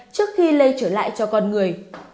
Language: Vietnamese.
trước khi lây trở lại cho con người